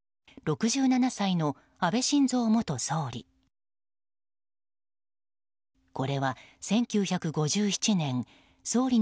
６７歳の安倍晋三元総理。